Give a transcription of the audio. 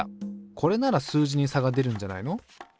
これなら数字に差が出るんじゃないの？